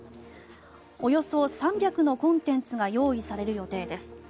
およそ３００のコンテンツが用意される予定です。